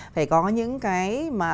phải có những cái mà